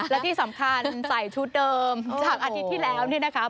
และที่สำคัญใส่ชุดเดิมจากอาทิตย์ที่แล้วนี่นะคะ